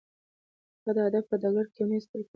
هغه د ادب په ډګر کې یو نه ستړی کېدونکی مبارز و.